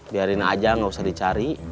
biarin aja nggak usah dicari